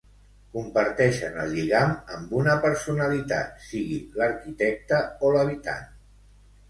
Comparteixen el lligam amb una personalitat, sigui l'arquitecte o l'habitant.